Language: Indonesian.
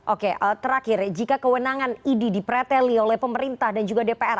oke terakhir jika kewenangan idi dipreteli oleh pemerintah dan juga dpr